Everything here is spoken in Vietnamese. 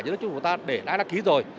nhà nước chính phủ ta đã để đã đăng ký rồi